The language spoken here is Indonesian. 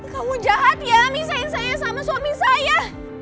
kamu jahat ya misahin saya sama suami saya